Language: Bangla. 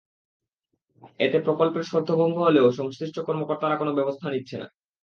এতে প্রকল্পের শর্ত ভঙ্গ হলেও সংশ্লিষ্ট কর্মকর্তারা কোনো ব্যবস্থা নিচ্ছে না।